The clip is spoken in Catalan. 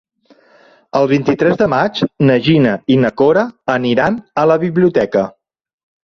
El vint-i-tres de maig na Gina i na Cora aniran a la biblioteca.